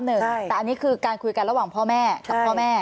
ยอมรับ๒ไม่ยอมรับ๑แต่อันนี้คือการคุยกันระหว่างพ่อแม่กับพ่อแม่